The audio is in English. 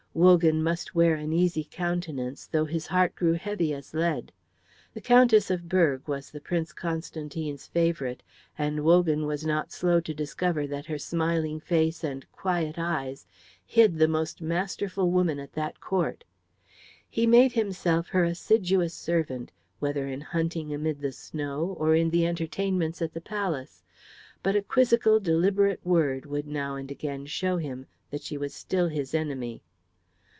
Wogan must wear an easy countenance, though his heart grew heavy as lead. The Countess of Berg was the Prince Constantine's favourite; and Wogan was not slow to discover that her smiling face and quiet eyes hid the most masterful woman at that court. He made himself her assiduous servant, whether in hunting amid the snow or in the entertainments at the palace, but a quizzical deliberate word would now and again show him that she was still his enemy.